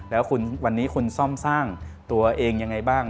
แล้วคุณวันนี้คุณซ่อมสร้างตัวเองยังไงบ้าง